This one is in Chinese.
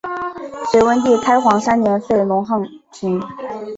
隋文帝开皇三年废龙亢郡。